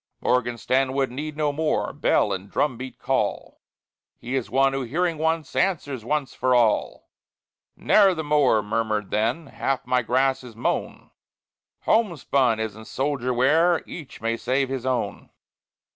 "Morgan Stanwood" need no more Bell and drum beat call; He is one who, hearing once, Answers once for all. Ne'er the mower murmured then, "Half my grass is mown, Homespun isn't soldier wear, Each may save his own."